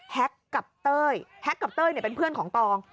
กับเต้ยแฮกกับเต้ยเป็นเพื่อนของตอง